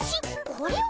これは。